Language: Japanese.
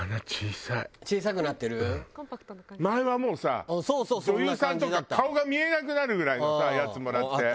前はもうさ女優さんとか顔が見えなくなるぐらいのやつもらって。